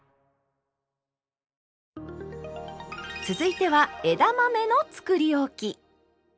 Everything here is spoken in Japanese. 続いては枝豆のつくりおき。